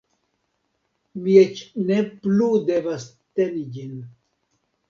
Mi eĉ ne plu devas teni ĝin